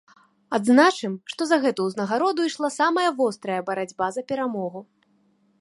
Адзначым, што за гэту ўзнагароду ішла самая вострая барацьба за перамогу.